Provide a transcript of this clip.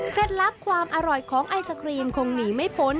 ลับความอร่อยของไอศครีมคงหนีไม่พ้น